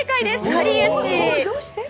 かりゆし！